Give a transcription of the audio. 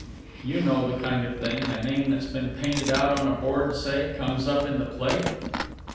(You know the kind of thing: a name that's been painted out on a board, say, comes up in the plate.)